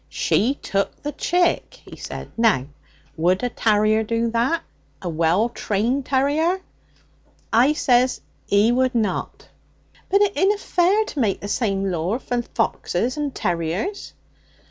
'She took the chick,' he said. 'Now, would a tarrier do that a well trained tarrier? I says 'e would not' 'But it inna fair to make the same law for foxes and terriers.'